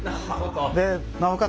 でなおかつ